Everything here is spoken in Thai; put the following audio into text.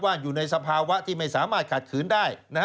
อยู่ในสภาวะที่ไม่สามารถขัดขืนได้